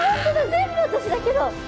全部私だけど。